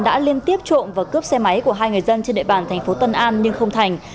đã liên tiếp trộm và cướp xe máy của hai người dân trên địa bàn thành phố tân an nhưng không thành